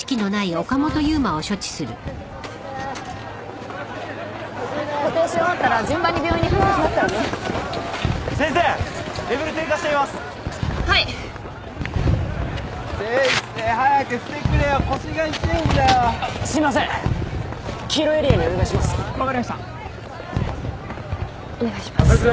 お願いします。